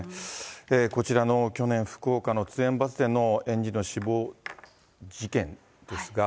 こちらの去年、福岡の通園バスでの園児の死亡事件ですが。